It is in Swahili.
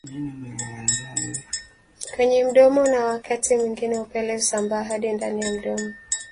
kwenye mdomo na wakati mwingine upele husambaa hadi ndani ya mdomo